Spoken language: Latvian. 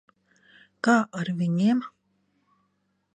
Kā ar viņiem?